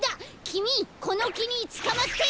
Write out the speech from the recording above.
きみこのきにつかまって！